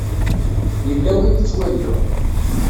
Yella win i ttwaliɣ.